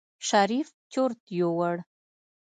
شريف چورت يوړ.